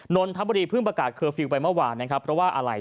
นนทบุรีเพิ่งประกาศเคอร์ฟิลล์ไปเมื่อวานนะครับเพราะว่าอะไร